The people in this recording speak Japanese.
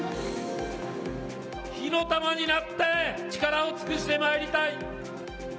火の玉になって力を尽くしてまいりたい。